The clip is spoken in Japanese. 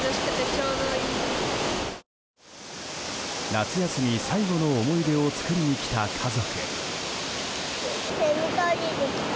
夏休み最後の思い出を作りに来た家族。